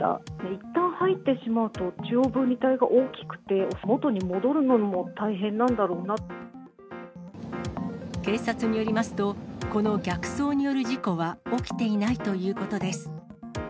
いったん入ってしまうと、中央分離帯が大きくて、警察によりますと、この逆走による事故は起きていないということです。